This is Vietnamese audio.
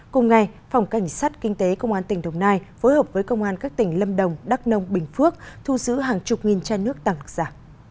cùng ngày phòng cảnh sát kinh tế công an tỉnh đồng nai phối hợp với công an các tỉnh lâm đồng đắk nông bình phước thu giữ hàng chục nghìn chai nước tăng lực giả